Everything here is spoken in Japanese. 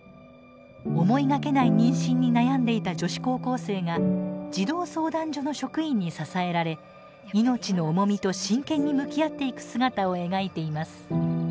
思いがけない妊娠に悩んでいた女子高校生が児童相談所の職員に支えられ命の重みと真剣に向き合っていく姿を描いています。